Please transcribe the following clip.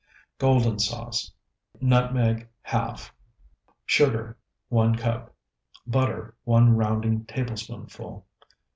GOLDEN SAUCE Nutmeg, ½. Sugar, 1 cup. Butter, 1 rounding tablespoonful.